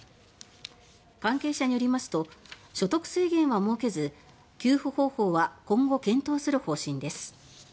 関係者によりますと所得制限は設けず給付方法は今後検討する方針です。